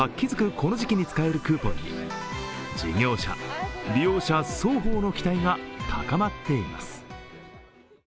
この時期に使えるクーポンに事業者、利用者双方の期待が高まっています。